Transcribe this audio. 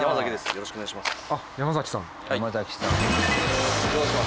よろしくお願いします。